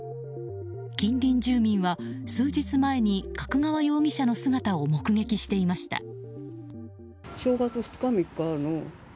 近隣住民は数日前に角川容疑者の姿を目撃していました。